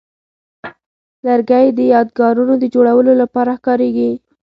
لرګی د یادګارونو د جوړولو لپاره کاریږي.